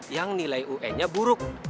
yang nilai un nya buruk